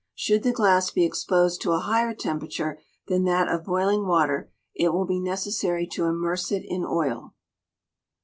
Should the glass be exposed to a higher temperature than that of boiling water, it will be necessary to immerse it in oil.